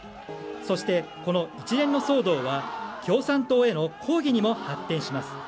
そして、この一連の騒動は共産党への抗議にも発展します。